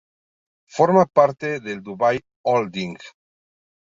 Forma parte del Dubai Holding.